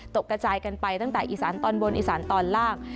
กระจายกันไปตั้งแต่อีสานตอนบนอีสานตอนล่าง